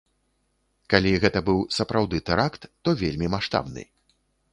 Калі гэта быў сапраўды тэракт, то вельмі маштабны.